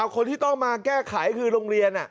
คนที่ต้องมาแก้ไขคือโรงเรียน